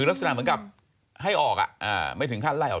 ลักษณะเหมือนกับให้ออกไม่ถึงขั้นไล่ออก